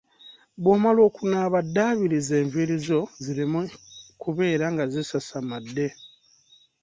Bw'omala okunaaba ddaabiriza enviiri zo zireme kubeera nga zisasamadde.